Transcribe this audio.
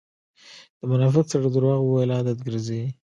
د منافق سړی درواغ وويل عادت ګرځئ.